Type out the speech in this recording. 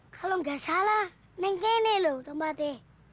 kalau gak salah nengkeh ini loh tempatnya